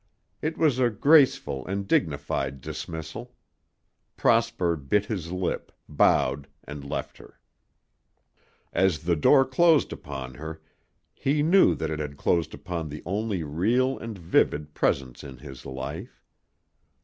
It was a graceful and dignified dismissal. Prosper bit his lip, bowed and left her. As the door closed upon her, he knew that it had closed upon the only real and vivid presence in his life.